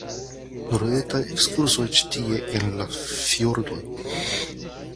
Nur etaj ekskursoj ĉi tie en la fjordoj.